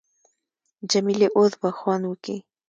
جمیلې اوس به خوند وکي.